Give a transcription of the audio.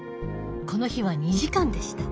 この日は２時間でした。